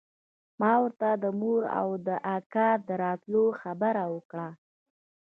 ما ورته د مور او د اکا د راتلو خبره وکړه.